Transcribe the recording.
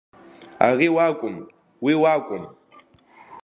Ари уакәым, уи уакәым.